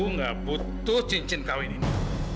nggak butuh cincin kawin ini